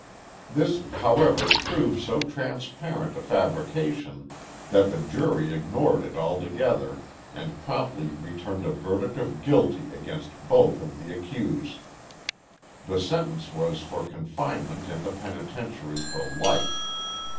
This, however, proved so transparent a fabrication that the jury ignored it altogether and promptly returned a verdict of guilty against both of the accused. The sentence was for confinement in the penitentiary for life.